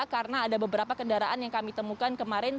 karena ada beberapa kendaraan yang kami temukan kemarin